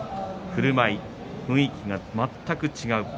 ふるまい、雰囲気、全く違う。